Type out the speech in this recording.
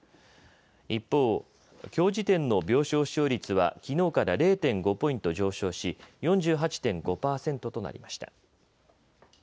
一方きょう時点の病床使用率はきのうから０．５ポイント上昇し４８．５％となりました。